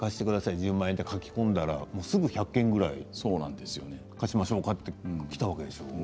１０万円、と書き込んだらすぐに１００件ぐらい貸しましょうか？ときたわけでしょ。